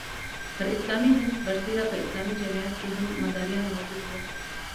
پر اسلامي حزب برسېره په اسلامي جمعیت کې هم مداریان موجود وو.